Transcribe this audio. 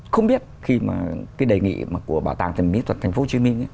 không biết khi mà cái đề nghị của bảo tàng miễn thuật thành phố hồ chí minh